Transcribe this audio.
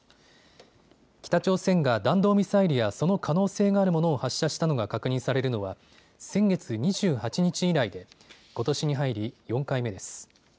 北朝鮮が弾道ミサイルやその可能性があるものを発射したのが確認されるのは先月２８日以来でことしに入り４回目です。